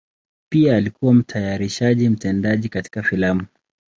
Pia alikuwa mtayarishaji mtendaji katika filamu.